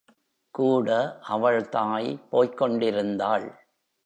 கூட அவள் தாய் போய்க் கொண்டிருந்தாள்.